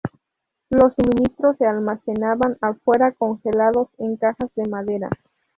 Los suministros se almacenaban afuera congelados en cajas de madera.